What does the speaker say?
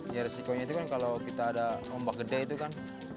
ya resikonya itu kan kalau kita ada ombak gede itu kan